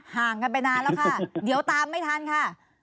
ห่างกันไปนานแล้วค่ะเดี๋ยวตามไม่ทันค่ะ